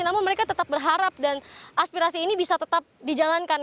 namun mereka tetap berharap dan aspirasi ini bisa tetap dijalankan